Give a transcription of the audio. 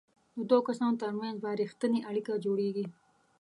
د دوو کسانو ترمنځ به ریښتینې اړیکه جوړیږي.